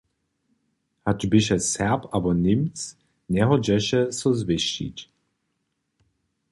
Hač běše Serb abo Němc, njehodźeše so zwěsćić.